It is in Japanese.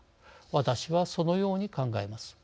私はそのように考えます。